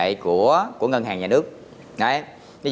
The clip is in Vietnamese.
ví dụ như mà nếu mà ngân hàng nhà nước có khoản giữ chữ ngoại tệ tốt